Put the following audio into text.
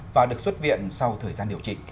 và được xuất viện sau thời gian điều trị